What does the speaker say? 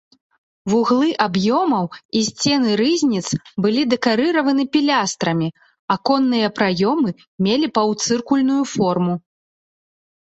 Вуглы аб'ёмаў і сцены рызніц былі дэкарыраваны пілястрамі, аконныя праёмы мелі паўцыркульную форму.